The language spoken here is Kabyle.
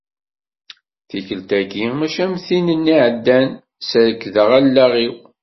Tikelt-agi mači am tin-nni iɛeddan, serkdeɣ allaɣ-iw.